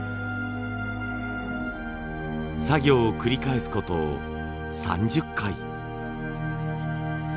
作業を繰り返すこと３０回。